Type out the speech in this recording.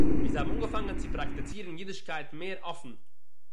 וואו זיי האָבן אָנגעפאַנגען צו פּראַקטיצירן אידישקייט מער אָפן